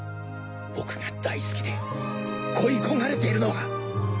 僕が大好きで恋い焦がれているのは。